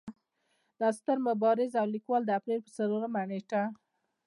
دا ستر مبارز او ليکوال د اپرېل پۀ څلورمه نېټه